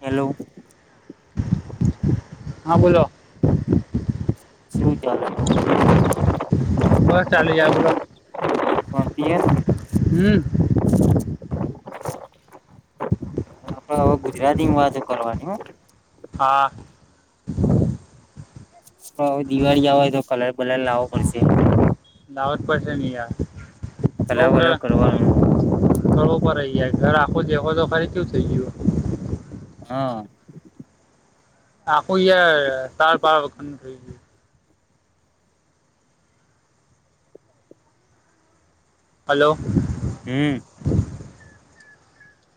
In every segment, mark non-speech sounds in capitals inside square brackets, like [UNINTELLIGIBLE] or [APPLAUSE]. Hello. હા, બોલો. શું ચાલે? બસ ચાલી રિયા બોલો, ભણતી હશે હમ્મ. એ આપડે હવે ગુજરાતીની વાતો કરવાની હા હા. હવે દિવાળી આવેય તો કલર બલર લાવવો પડશે. દાવત પડશેની યાર, કલર બઉ બલર કરવાનું સ્થળો પર રહી. [UNINTELLIGIBLE] ઘર આખો જેખો તો ખરી, કેવુ થઈ ગયું. હા. આખું યાર ચાર પાર વખતનું થઈ ગયું. હલો. હમ.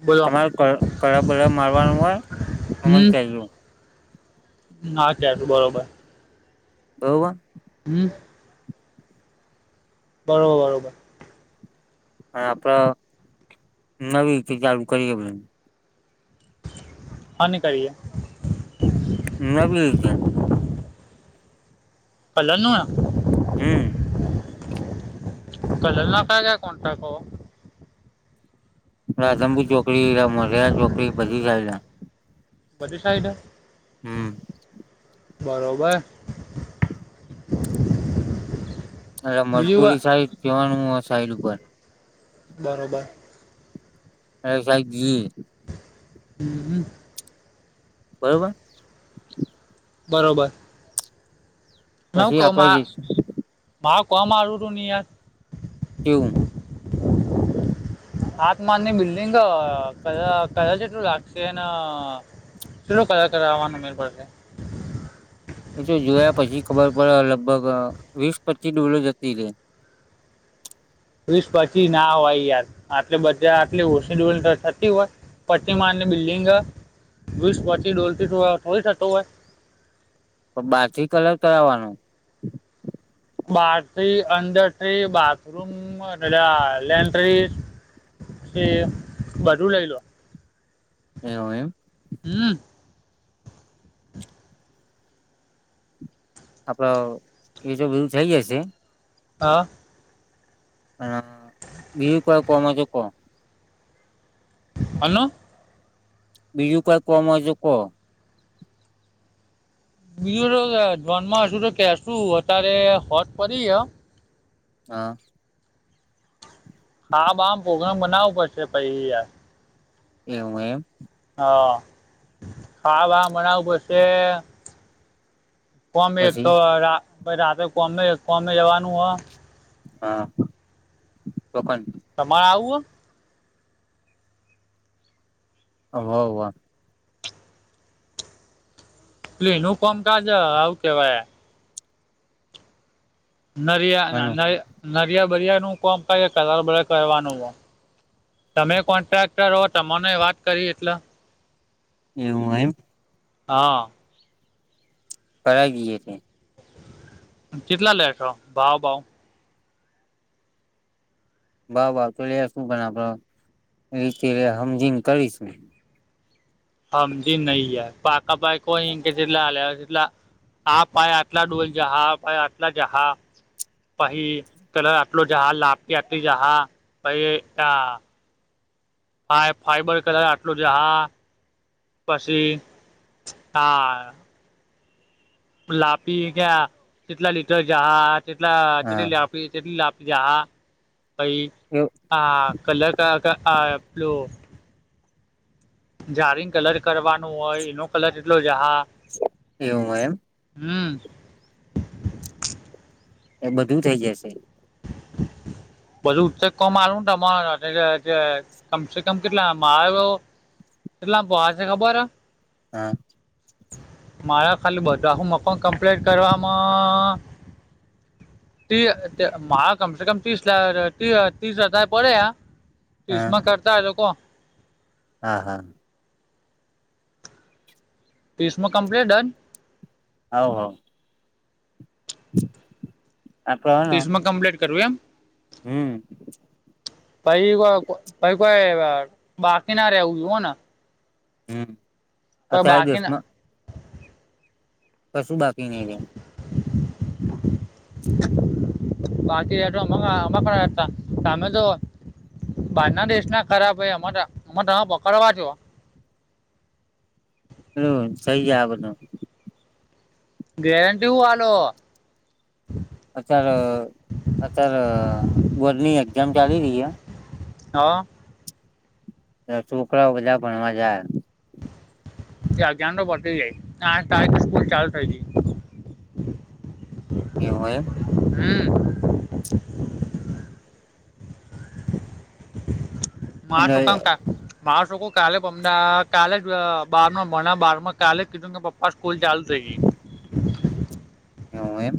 બોલો તમારું કળ બબ મારવાનું હોય તો મને હમ કજો હા ક તું બરોબર. બબ. હમ. બરોબર બરોબર. અને આપડ નવી રીતે ચાલુ કરીએ. હની કરી એ. નવી રીતે હમ [UNINTELLIGIBLE] કલલ નાખે છે કોન ટકો. રાંબુ ચોકડી મોધેરા ચોકડી બધી સ આવી. વધધી સાઇડ. હમ. બરોબર. એટ બીજું કા મરચુલી સાઈડ કહેવાનું હોય. સાઇલ ઉપર. બરોબર. હ [UNINTELLIGIBLE] હમ હ. બરોબર. બરોબર. પછી આપડે નકામાં જઈશું બા કમ આવ તન ત. [UNINTELLIGIBLE] કેવું આત્માનની બિલ્ડિંગ કલર જેટલું લાગશે અને, કેટલું કલર કરવાનું ઉ પડશે? એ તો જોયા પછી ખબર પડે લગભગ વીસ પચીસ ડોલો જતી ર. વીસ પછી ના હોય યાર આટલે બધા આટલી ઓછી ડોલ થતી હોય, પછીમાં આટલી બિલ્ડિંગ વીસ પછી ડોલતી થોડી થતું હોય. તો બાર થી કલર કરાવવાનું. બ અંડર ટ્રી બાથરૂમ એ લે બધું લઈ લો. એમ એમ. હમ આપડ એજ બધું થઈ જશે. આ? હમ બીજું કોઈ કોમ હોય તો કો. હલ્લો. બીજું કોઈ કોમ હોય તો કો. બીજું તો જોનમ હશુ તો કેશુ અત્યારે હોજ પડી હ. હા. હા બાપ પોગ્રામ બનાવવો પડશે પહી યાર. એવું એમ. હ, ખાવા બાવા બનાવું પડશે. કોમ એક એક પછી ભઈ રાતે કોમે કોમે જવાનું હો. હા, તો તમારે આવું હ? [UNINTELLIGIBLE] [UNINTELLIGIBLE] આવું કેવાય. નરિયા હાલો [UNINTELLIGIBLE] નરિયા [UNINTELLIGIBLE] કોમ કરવાનું હો. તમે કોન્ટ્રાક્ટર હો તમાને વાત કરી એટલે એવું એમ? હા. [UNINTELLIGIBLE] કેટલા લેછો ભાવ? [UNINTELLIGIBLE] [UNINTELLIGIBLE] તો [UNINTELLIGIBLE] શું? પણ આપતે હમજીન કરીશ. સમજી નહીં યાર પાકા ભાઈ કોઈ કેટલે આલે આ પાાય આટલા ડોલ જહા આટલા જહા. પછી કલર આટલો જહા. લાપકી આટલી જહા પછ આ હા એ ફાઈબર કલર આટલું જાહા પછી હા લાપી ક્યા કેટલા લીટર જાહા? હા [UNINTELLIGIBLE] [INAUDIBLE] પાઈ એ હા કલાર પેલું જારીં કલર કરવાનું હોય એનો કલર કેટલો જહા? એવું હો એમ? હમ. એ બધું થઇ જશે. બધું [UNINTELLIGIBLE] માલું કમસે કમ કેટલા મારો કેટલા [UNINTELLIGIBLE] છે ખબર? હા. મારા ખાલી બધા મકાન કમ્પ્લેટ કરવામાં કમસે કમ ત્રીસા ત્રીસ હજાર પડે. હા તીસમાં કરતા હો કો. હા હા. તોસમાં કમ્પ્લીટ ડન હોવ હોવ. [INAUDIBLE] ને તીસમાં કમ્પ્લીટ કરવું એમ? હમ. પાઈ કો પાઈ કોઈ બાકી ના રેવું જો હો ને. હમ. આ પણ કયા બાકી ના દિવસમાં? કશું બાકી નહી. બાકી તમે તો બારના દેશના ખરાબ પકડવા છો. હમ સહી આ ગેરંટી હુ હાલો? અત્યારે અત્યારે વોડની એક્ઝામ ચાલી રહી. હા. છોકરાઓ બધા ભણવા જાય. ત અગાન તો પતી જાય સ્કૂલ ચાલુ થઈ ગઈ. એવું હોયમ. હમ. માટુ એટલે કામ કા મા શોક કાલે અમ કાલે જ બાર મણા બારમાં કાલે કીધું કે પપ્પા સ્કૂલ ચાલુ થઈ ગઈ. હ એમ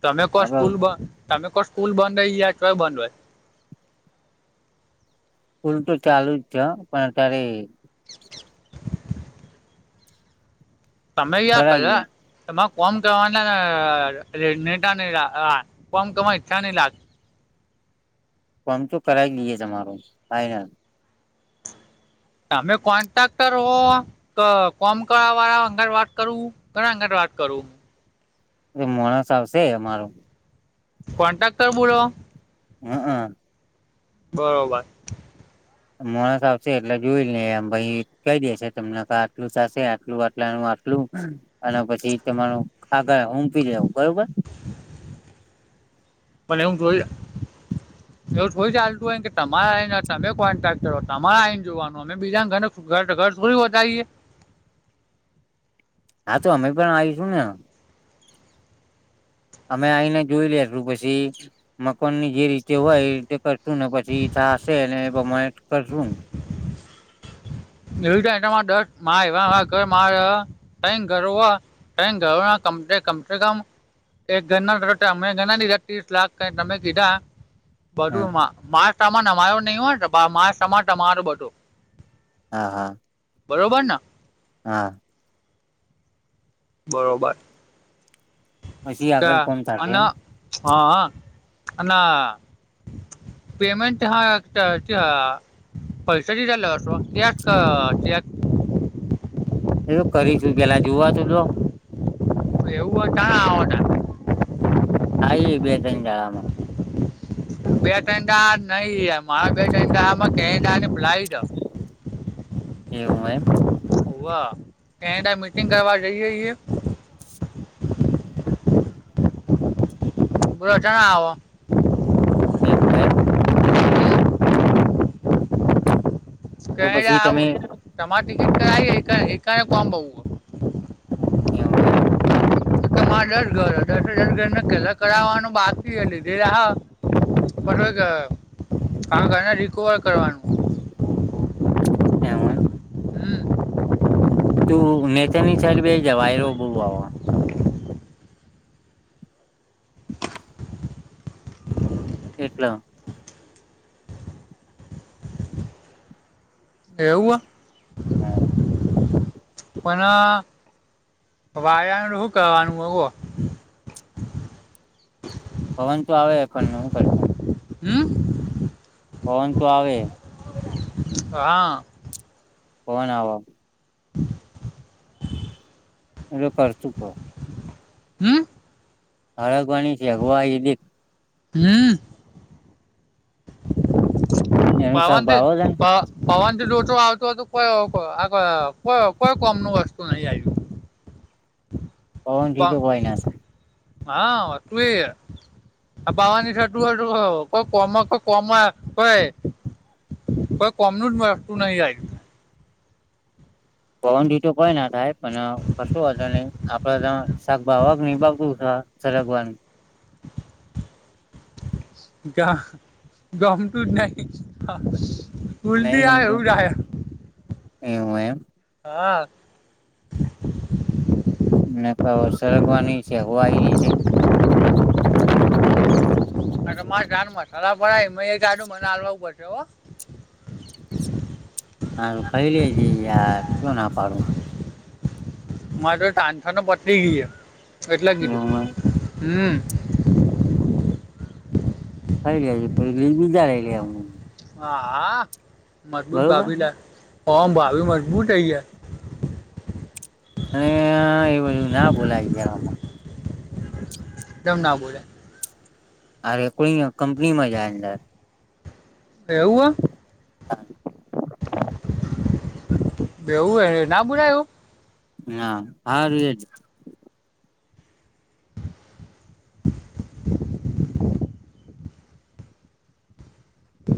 તમે કો સ્કૂલ આપડ બ તમે કો સ્કૂલ બંધ હોય યા છય બંધ હોય ફૂલ તો ચાલુ જ છે પણ અત્યારે કરાવી સમમે્યા દઈએ [UNINTELLIGIBLE] ફર્મ કરવાના [UNINTELLIGIBLE] ફમ કરવા ઈચ્છા નહી લાગતી [UNINTELLIGIBLE] તમે કોન્ટ્રાક્ટર હો કોમક વાળા અંગળ વાત કરું ઘણા અંગર વાત કરું એ માણસ આવશે અમારું કોન્ટ્રાક્ટર મુળ હ. બરોબર મોણસ આવશે એટલે જોઈ ને એમ ભાઈ કઈ દે છે તમને આટલું સા આટલું આટલાનું આટલું અને પછી તમારું આગળ ઉમપ દવું બરોબર પણ એું જોઈ એવું જોઈ ચાલતું હોય કે તમારાને તમે કોન્ટ્રાક્ટ કર તમારા આઈને જોવાનું અમે બીજા ઘ ઘર થોડી વધારીએ હા તો અમે પણ આવીશું ને અમે આવીઈને જોઈ લેશુ પછી મકાન ની જે રીતે હોય એ રીતે કરશું ને પછી ઈછા હશે ને બમાટ કર રું દસ એવા ગરો કમસે કમ એક ઘર અમે ઘર લીધા ત્રીસ લાખ ક તમે કીધા હા બરોું મા માં નમાયો નહીિ હોય મા સમા તમારું બધું હા હા બરોબર ના હા બરોબર પછી આગળ કોણ થશે એમ હં અને ના પેમેન્ટ હ હ પૈસા દ લ શું કેક ક કેક એું કરી છું પેલા જોુવા તું તો એવું હો ક આવ આ બે ત્રણ ગળમાં બે નહી મારા બે કે ફ્લાઇટ હ એવું એમ કેનેટ મીટિંગ કરવા જઈએ બજ નાો એવું એમ [UNINTELLIGIBLE] તો પછી તમે [UNINTELLIGIBLE] તમારે ઘર એવું એમ [UNINTELLIGIBLE] પલા કરાવવાનું બાકી લીધે હા. [UNINTELLIGIBLE] આ ઘરે રિકવર કરવાનું. [UNINTELLIGIBLE] હમ તું નેચરની ચરબી [UNINTELLIGIBLE] વાયરો બહુ આવા એટલો એવું હા [UNINTELLIGIBLE] પણ. વાયાનું હું કરવાનું [UNINTELLIGIBLE] પવન તો આવે પણ હું કરતું. હમ. પવન તો આવે. અહા. પવન આવો [INAUDIBLE] [UNINTELLIGIBLE] કર ચુકો હમ. હળગવાની છે. હગવા એઈ દિપ [UNINTELLIGIBLE] એનું શાક પવન તે ભાવે તને પ પવન રોતો આવતો હતો. [UNINTELLIGIBLE] કોમ નું વસ્તુ નહી આયવુ. પવન દીધું હોય ના હ [UNINTELLIGIBLE] આ પવા નિશ તું હતું. [UNINTELLIGIBLE] કોઈ કોઈ કમનું જ વસ્તુ નહી પવનડી તો કોઈ ના થાય. પણ [UNINTELLIGIBLE] આપડે ત્યા શાકભા [UNINTELLIGIBLE] સરગવાનું ગા ગમતું જ નહીં નહી ભુલદી આય ગમતું હું જાહે એવું એમ હા. ને તો સરગવાની છે. હોવાય તે [UNINTELLIGIBLE] મે એ ગાડું મનલો પસે હો. હા ખય લેજે યાર શું ના પાડું. મારુ [UNINTELLIGIBLE] પથરી ગીયુ સે એટલા જ કીધું. હમ્મ. ખાઈ લેજે પહિ બીજા [UNINTELLIGIBLE] અહા મજબૂત બરોબર [UNINTELLIGIBLE] ઓમ ભાલુ મજબૂત થઈ ગીયા. [UNINTELLIGIBLE] ના બોલાય [UNINTELLIGIBLE] તમ ના બોલે? અરે કોઈ કંપનીમાં [UNINTELLIGIBLE] એવું હ? [INAUDIBLE] બેવું હે ના બોલાયું? હા હારું એજ.